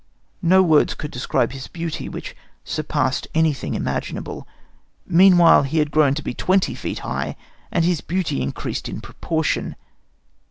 No words could describe his beauty, which surpassed anything imaginable. Meanwhile he had grown to be twenty feet high, and his beauty increased in proportion.